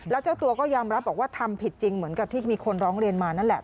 แล้วเจ้าตัวก็ยอมรับบอกว่าทำผิดจริงเหมือนกับที่มีคนร้องเรียนมานั่นแหละ